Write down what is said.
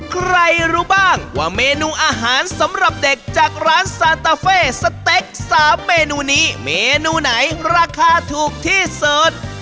ใครรู้บ้างว่าเมนูอาหารสำหรับเด็กจากร้านซาตาเฟ่สเต็ก๓เมนูนี้เมนูไหนราคาถูกที่สุด